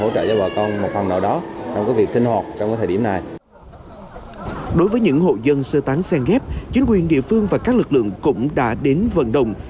tại các địa điểm này đối với những hộ dân sơ tán sen ghép chính quyền địa phương và các lực lượng cũng đã đến vận động